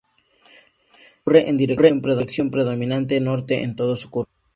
Discurre en dirección predominantemente norte en todo su curso.